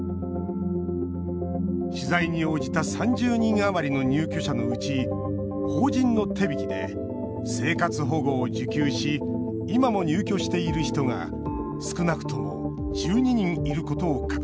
取材に応じた３０人余りの入居者のうち法人の手引きで生活保護を受給し今も入居している人が少なくとも１２人いることを確認。